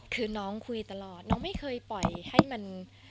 คือน้องคุยตลอดน้องไม่เคยปล่อยให้มัน